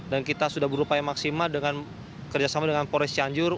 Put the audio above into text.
dan kita sudah berupaya maksimal dengan kerjasama dengan pores cianjur